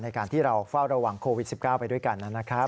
ในการที่เราเฝ้าระวังโควิด๑๙ไปด้วยกันนะครับ